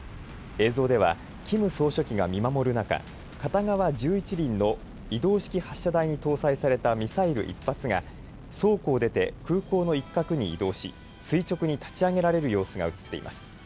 映像ではキム総書記が見守る中、片側１１輪の移動式発射台に搭載されたミサイル１発が倉庫を出て空港の一角に移動し垂直に立ち上げられる様子が映っています。